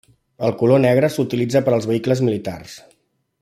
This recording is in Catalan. El color negre s'utilitza per als vehicles militars.